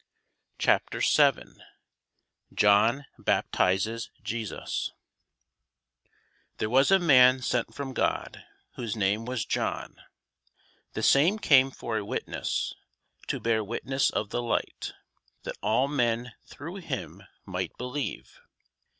CHAPTER 7 JOHN BAPTIZES JESUS [Sidenote: St. Luke 3] THERE was a man sent from God, whose name was John. The same came for a witness, to bear witness of the Light, that all men through him might believe.